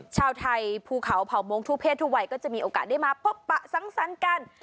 ชาวไทยภูเขาเผ่ามงทุกเพศทุกวัยก็จะมีโอกาสได้มาพบปะสังสรรค์กัน